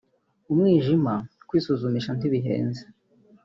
umwijima […] kwisuzumisha ntibihenze